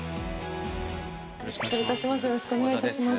失礼いたします。